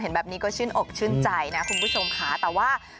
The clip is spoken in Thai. แบบนี้ก็ชื่นอกชื่นใจนะคุณผู้ชมค่ะแต่ว่า